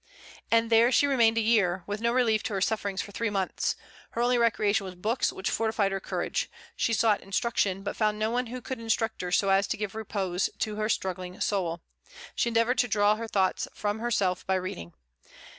And there she remained a year, with no relief to her sufferings for three months. Her only recreation was books, which fortified her courage. She sought instruction, but found no one who could instruct her so as to give repose to her struggling soul. She endeavored to draw her thoughts from herself by reading.